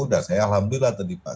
udah saya alhamdulillah terdipak